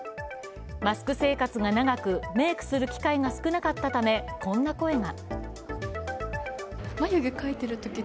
マスク生活が長く、メークする機会が少なかったため、こんな声が。